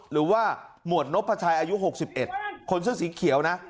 หรือว่าหมวดนบพระชัยอายุหกสิบเอ็ดคนเสื้อสีเขียวนะ